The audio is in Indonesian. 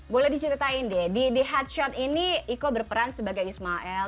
boleh diceritain deh di headshot ini iko berperan sebagai ismail